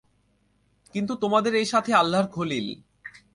কিন্তু তোমাদের এই সাথী আল্লাহর খলীল।